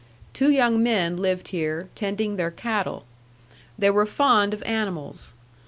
Two young men lived here, tending their cattle. They were fond of animals.